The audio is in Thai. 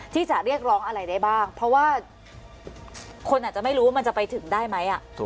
ที่จะเรียกร้องอะไรได้บ้างเพราะว่าคนอาจจะไม่รู้ว่ามันจะไปถึงได้ไหม